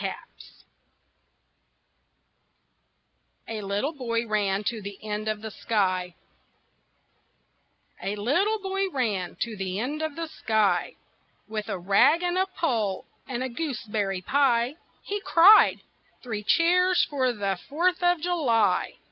KNAPP'S] A LITTLE BOY RAN TO THE END OF THE SKY A little boy ran to the end of the sky With a rag and a pole and a gooseberry pie. He cried: "Three cheers for the Fourth of July!"